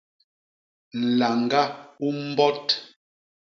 Nlañga u mbot.